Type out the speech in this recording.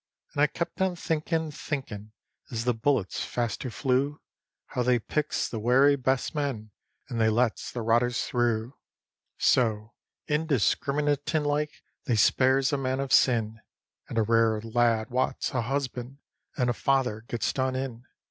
And I kept on thinkin', thinkin', as the bullets faster flew, How they picks the werry best men, and they lets the rotters through; So indiscriminatin' like, they spares a man of sin, And a rare lad wot's a husband and a father gets done in.